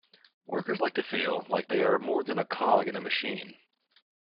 Workers like to feel like they are more than a cog in a machine.